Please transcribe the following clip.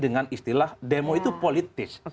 jangan pernah takut dengan demo itu ditudung politis